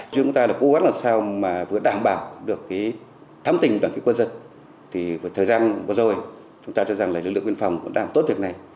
chúng ta đã cố gắng làm sao mà vừa đảm bảo được cái thám tình của quân dân thì thời gian vừa rồi chúng ta cho rằng lực lượng viên phòng cũng đảm tốt việc này